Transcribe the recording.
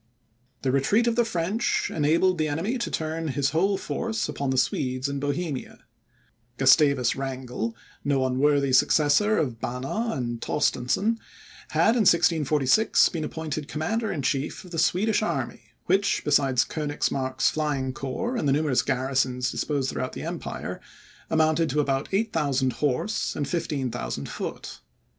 The retreat of the French, enabled the enemy to turn his whole force upon the Swedes in Bohemia. Gustavus Wrangel, no unworthy successor of Banner and Torstensohn, had, in 1646, been appointed Commander in chief of the Swedish army, which, besides Koenigsmark's flying corps and the numerous garrisons disposed throughout the empire, amounted to about 8,000 horse, and 15,000 foot.